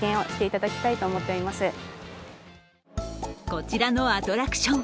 こちらのアトラクション。